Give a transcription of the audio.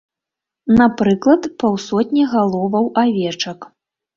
Напрыклад, паўсотні галоваў авечак.